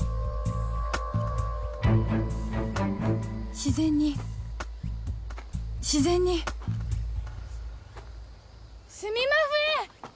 自然に自然にすみまふぇん！